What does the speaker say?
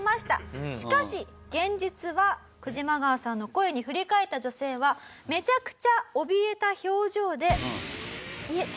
しかし現実はクジマガワさんの声に振り返った女性はめちゃくちゃおびえた表情で。